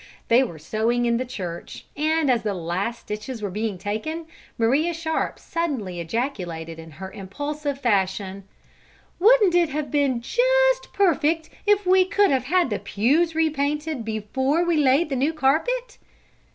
They were sewing in the church, and as the last stitches were being taken, Maria Sharp suddenly ejaculated in her impulsive fashion: "Wouldn't it have been just perfect if we could have had the pews repainted before we laid the new carpet!"